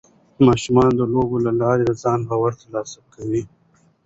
ماشومان د لوبو له لارې د ځان باور ترلاسه کوي.